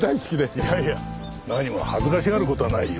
いやいや何も恥ずかしがる事はないよ。